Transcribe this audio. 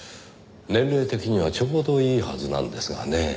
年齢的にはちょうどいいはずなんですがねぇ。